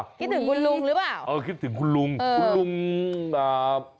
คิดถึงคุณลุงหรือเปล่าเออคิดถึงคุณลุงคุณลุงอ่า